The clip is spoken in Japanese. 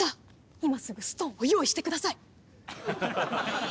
今すぐストーンを用意してください。